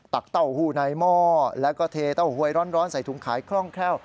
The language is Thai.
เต้าหู้ในหม้อแล้วก็เทเต้าหวยร้อนใส่ถุงขายคล่องแคล่ว